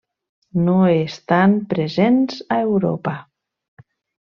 No estan presents a Europa.